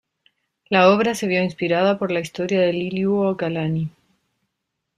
La obra se vio inspirada por la historia de Liliuokalani.